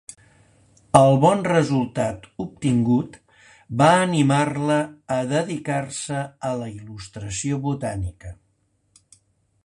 El bon resultat obtingut va animar-la a dedicar-se a la il·lustració botànica.